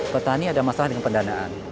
petani ada masalah dengan pendanaan